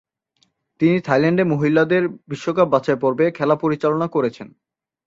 তিনি থাইল্যান্ডে মহিলাদের বিশ্বকাপ বাছাইপর্বে খেলা পরিচালনা করেছেন।